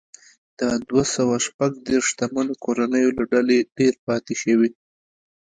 د دوه سوه شپږ دېرش شتمنو کورنیو له ډلې ډېرې پاتې شوې.